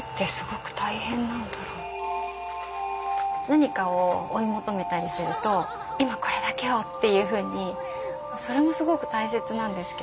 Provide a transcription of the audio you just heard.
何かを追い求めたりすると今これだけをっていうふうにそれもすごく大切なんですけども。